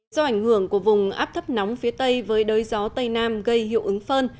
do ảnh hưởng của vùng áp thấp nóng phía tây với đới gió tây nam gây hiệu ứng phơn